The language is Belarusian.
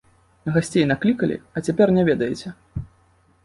Гасцей наклікалі, а цяпер не ведаеце.